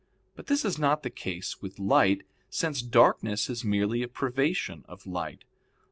But this is not the case with light since darkness is merely a privation of light.